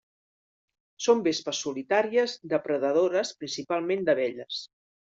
Són vespes solitàries depredadores principalment d'abelles.